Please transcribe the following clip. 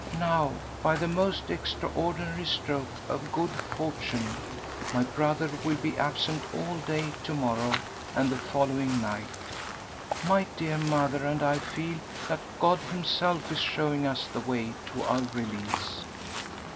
Now, by the most extraordinary stroke of good fortune, my brother will be absent all day to morrow and the following night. My dear mother and I feel that God Himself is showing us the way to our release.